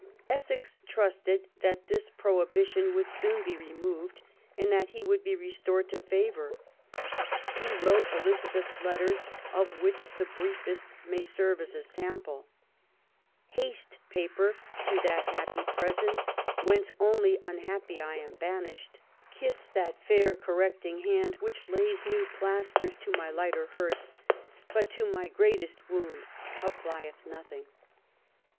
Essex trusted that this prohibition would soon be removed, and that he would be restored to favour. He wrote Elizabeth letters, of which the briefest may serve as a sample :—Haste paper to that happy presence, whence only unhappy I am banished. Kiss that fair correct ing hand which lays new plasters to my lighter hurts, but to my greatest wound applieth nothing.